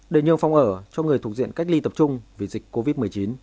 để nhường phòng ở cho người thuộc diện cách ly tập trung vì dịch covid một mươi chín